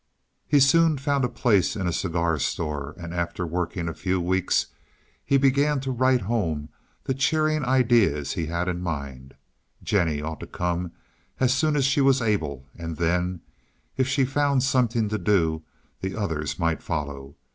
He soon found a place in a cigar store, and, after working a few weeks, he began to write home the cheering ideas he had in mind. Jennie ought to come as soon as she was able, and then, if she found something to do, the others might follow.